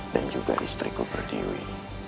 dan juga istriku bertiwi